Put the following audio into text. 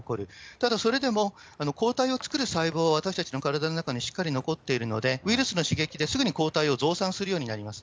ただ、それでも抗体を作る細胞は私たちの体の中にしっかり残っているので、ウイルスの刺激ですぐに抗体を増産するようになります。